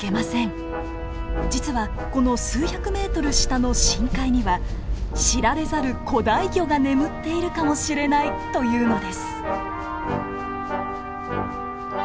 実はこの数百ｍ下の深海には知られざる古代魚が眠っているかもしれないというのです。